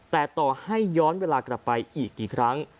แต่ต่อให้ย้อนเวลากลับไปอีกกี่ครั้ง